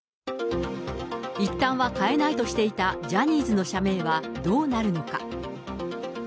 いったんは変えないとしていたジャニーズの社名はどうなるのか。